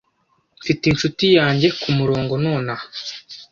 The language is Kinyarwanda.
Mfite inshuti yanjye kumurongo nonaha.